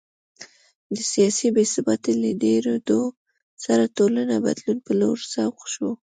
د سیاسي بې ثباتۍ له ډېرېدو سره ټولنه بدلون په لور سوق شوه